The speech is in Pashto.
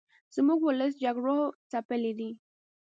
زموږ ولس جګړو ځپلې دې